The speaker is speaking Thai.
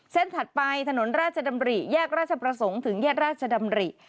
ถัดไปถนนราชดำริแยกราชประสงค์ถึงแยกราชดำริ